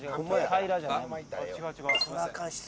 「平」じゃない。